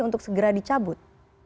untuk segera dicabut